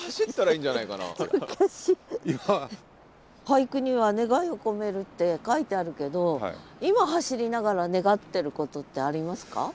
俳句には「願いを込める」って書いてあるけど今走りながら願ってることってありますか？